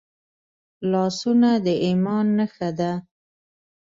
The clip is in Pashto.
لاسونه د ایمان نښه ده